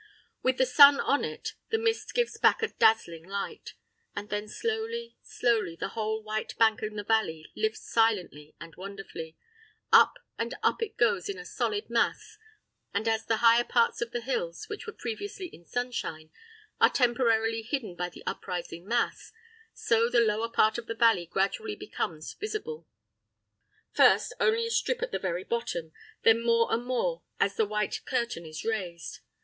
With the sun on it, the mist gives back a dazzling light. And then slowly, slowly, the whole white bank in the valley lifts silently and wonderfully; up and up it goes in a solid mass, and as the higher parts of the hills, which were previously in sunshine, are temporarily hidden by the uprising mass, so the lower part of the valley gradually becomes visible, first only a strip at the very bottom, then more and more as the white curtain is raised.